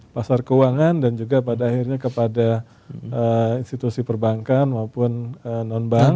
pasar keuangan dan juga pada akhirnya kepada institusi perbankan maupun non bank